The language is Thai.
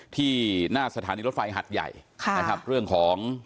ที่หน้าสถานีรถไฟหัดใหญ่ค่ะนะครับเรื่องของ